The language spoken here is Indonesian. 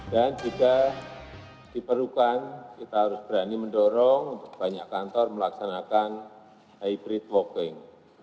dan juga diperlukan kita harus berani mendorong banyak kantor melaksanakan hybrid working